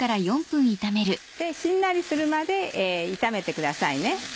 しんなりするまで炒めてくださいね。